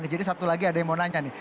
jadi satu lagi ada yang mau nanya nih